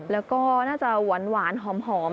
แล้วก็น่าจะหวานหอม